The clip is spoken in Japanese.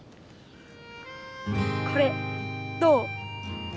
これどう？